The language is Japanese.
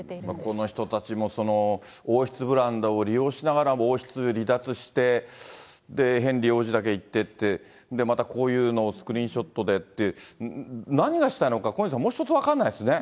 この人たちも王室ブランドを利用しながらも王室離脱して、ヘンリー王子だけ行ってって、で、またこういうのをスクリーンショットでって、何がしたいのか、小西さん、もう一つ分からないですね。